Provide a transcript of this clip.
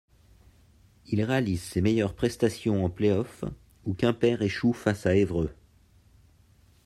Il réalise ses meilleurs prestations en playoffs où Quimper échoue face à Évreux.